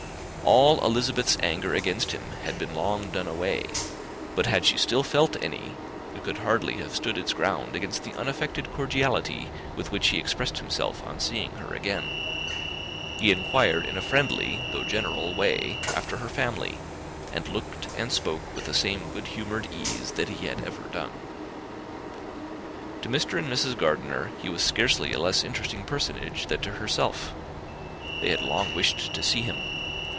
All Elizabeth's anger against him had been long done away; but had she still felt any, it could hardly have stood its ground against the unaffected cordiality with which he expressed himself on seeing her again. He inquired in a friendly, though general, way, after her family, and looked and spoke with the same good humoured ease that he had ever done. To Mr. and Mrs. Gardiner he was scarcely a less interesting personage than to herself. They had long wished to see him.